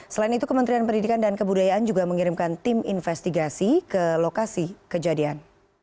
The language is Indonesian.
selain itu kementerian pendidikan dan kebudayaan juga mengirimkan tim investigasi ke lokasi kejadian